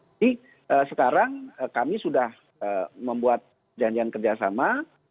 jadi sekarang kami sudah membuat janjian kerjasama